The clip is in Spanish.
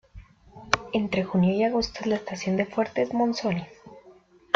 Entre junio y agosto es la estación de fuertes monzones.